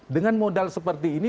dengan modal seperti ini